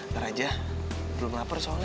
ntar aja belum lapar soalnya